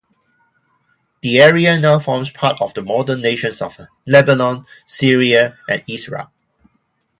The area now forms part of the modern nations of Lebanon, Syria and Israel.